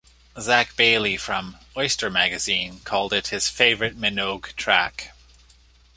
Zac Bayly from "Oyster Magazine" called it his favourite Minogue track.